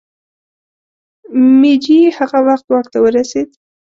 مېجي هغه وخت واک ته ورسېد.